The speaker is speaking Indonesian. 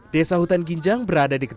desa hutan ginjang berada di